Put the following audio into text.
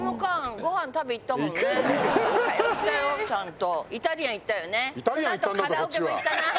行ったよちゃんと。